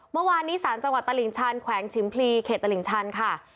เมื่อวานนี้ศาลจังหวัดตลิ่งชันแขวงชิมพลีเขตตลิ่งชันค่ะ